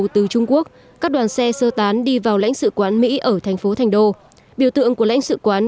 từ trung quốc các đoàn xe sơ tán đi vào lãnh sự quán mỹ ở thành phố thành đô biểu tượng của lãnh sự quán